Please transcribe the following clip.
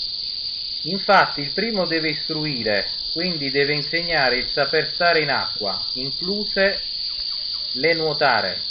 Infatti il primo deve “istruire” quindi deve insegnare il saper stare in acqua, incluse le nuotare.